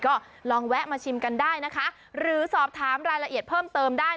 ก็ลองแวะมาชิมกันได้นะคะหรือสอบถามรายละเอียดเพิ่มเติมได้